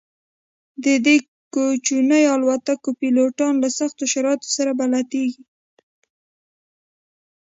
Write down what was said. د دې کوچنیو الوتکو پیلوټان له سختو شرایطو سره بلدیږي